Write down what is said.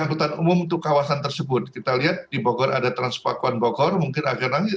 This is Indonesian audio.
anggota umum untuk kawasan tersebut kita lihat di bogor ada transpakuan bogor mungkin agar